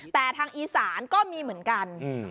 แต่ทางอีสานก็มีเหมือนกัน